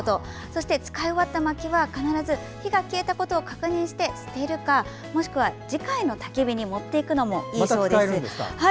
そして使い終わったまきは必ず火が消えたことを確認して捨てるか、もしくは次回のたき火に持っていくのもいいそうです。